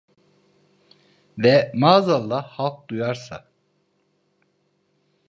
Ve maazallah halk duyarsa…